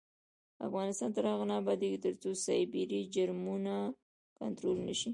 افغانستان تر هغو نه ابادیږي، ترڅو سایبري جرمونه کنټرول نشي.